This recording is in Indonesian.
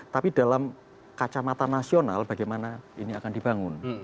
tapi dalam kacamata nasional bagaimana ini akan dibangun